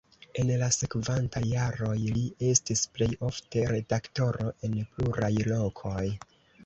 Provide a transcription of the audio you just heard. En la sekvantaj jaroj li estis plej ofte redaktoro en pluraj lokoj.